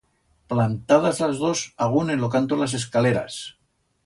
Plantadas las dos agún en lo canto las escaleras.